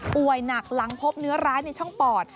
หนักหลังพบเนื้อร้ายในช่องปอด